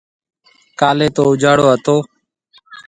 ڪاليَ تو اُجاݪو هتو۔